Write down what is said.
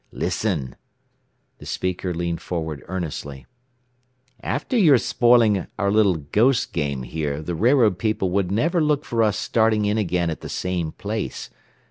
Listen!" The speaker leaned forward earnestly. "After your spoiling our little 'ghost' game here the railroad people would never look for us starting in again at the same place.